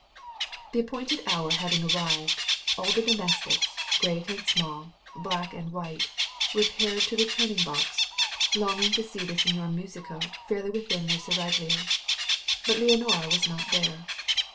The appointed hour having arrived, all the domestics, great and small, black and white, repaired to the turning box, longing to see the señor musico fairly within their seraglio; but no Leonora was there.